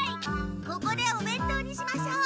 ここでおべんとうにしましょう！